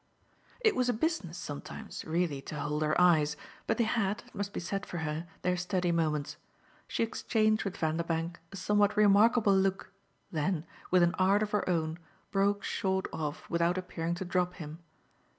It was a business sometimes really to hold her eyes, but they had, it must be said for her, their steady moments. She exchanged with Vanderbank a somewhat remarkable look, then, with an art of her own, broke short off without appearing to drop him.